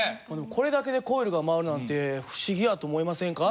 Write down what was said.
これだけでコイルが回るなんて不思議やと思いませんか？